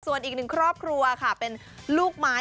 ส่วนอีกหนึ่งครอบครัวค่ะเป็นลูกไม้